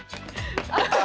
あっ。